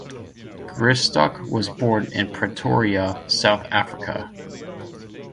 Gristock was born in Pretoria, South Africa.